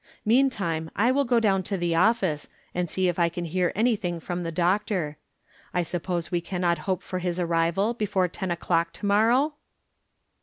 Meantime I will go down to the office, and see if I can hear anything from the doctor. I suppose we can not hope for his arrival before ten o'clock to morrow